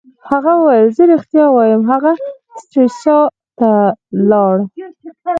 هغه وویل: زه ریښتیا وایم، هغه سټریسا ته ولاړه.